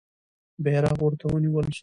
بیرغ ورته ونیول سو.